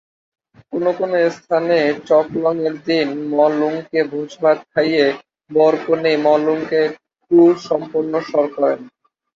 কোনো কোনো স্থানে চকলঙ-এর দিন ম-লুংকে ভোজ-ভাত খাইয়ে বর-কনেই ম-লুংকে খ্রুসম্পন্নম্বর করেন।